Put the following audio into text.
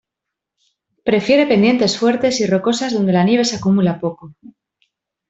Prefiere pendientes fuertes y rocosas donde la nieve se acumula poco.